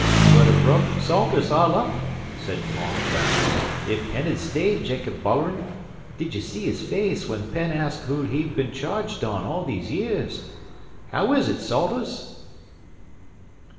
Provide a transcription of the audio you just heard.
"'Twould ha' bruk Salters all up," said Long Jack, "if Penn had stayed Jacob Boilerin'. Did ye see his face when Penn asked who he'd been charged on all these years? How is ut, Salters?"